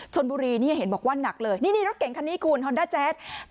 ชนบุรีนี่เห็นบอกว่าหนักเลยนี่นี่รถเก่งคันนี้คุณฮอนด้าแจ๊ด